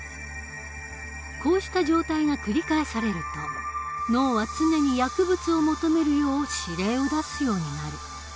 こうした状態が繰り返されると脳は常に薬物を求めるよう指令を出すようになる。